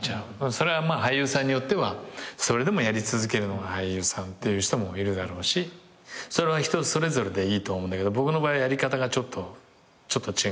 それは俳優さんによってはそれでもやり続けるのが俳優さんっていう人もいるだろうしそれは人それぞれでいいと思うんだけど僕の場合はやり方がちょっと違くて。